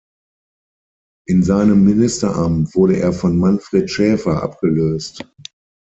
In seinem Ministeramt wurde er von Manfred Schäfer abgelöst.